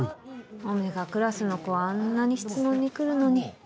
Ωクラスの子はあんなに質問に来るのに。